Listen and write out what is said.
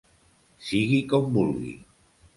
Sigui com vulgui.